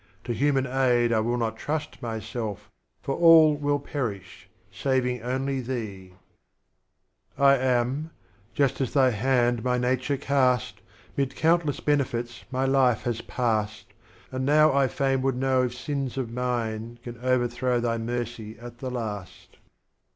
To Human Aid I.will not trust myself, For All will perish, saving only Thee. 10 63 Strophes of Omar Khayyam. IV. I am, just as Thy Hand my nature cast. Mid countless Benefits my Life lias passed, And now I fain would know if Sins of mine, Can overthrow Thy IMercy at the Last.